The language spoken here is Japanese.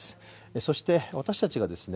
そして私たちがですね